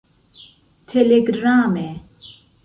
telegrame